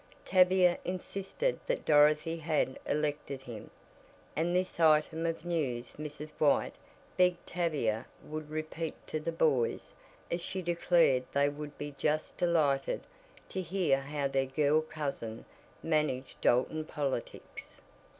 Tavia insisted that Dorothy had elected him, and this item of news Mrs. White begged Tavia would repeat to the "boys" as she declared they would be "just delighted to hear how their girl cousin managed Dalton politics."